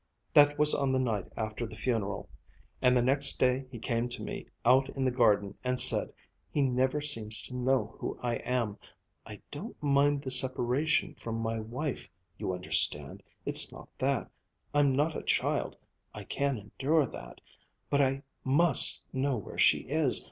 That was on the night after the funeral. And the next day he came to me, out in the garden, and said, he never seems to know who I am: 'I don't mind the separation from my wife, you understand it's not that I'm not a child, I can endure that but I must know where she is.